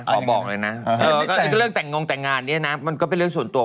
บอกเลยนะเรื่องแต่งงแต่งงานเนี่ยนะมันก็เป็นเรื่องส่วนตัว